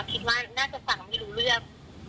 แต่ก็ไม่ได้ไม่ได้เข้าไปห้ามอะไรคราวนี้ก็จะมีแม่ค้าอะค่ะ